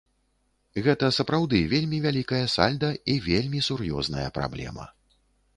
Гэта сапраўды вельмі вялікае сальда і вельмі сур'ёзная праблема.